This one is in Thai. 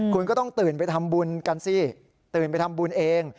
คุณก็ต้องตื่นไปทำบุญกันสิตื่นไปทำบุญเอง